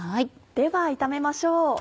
では炒めましょう。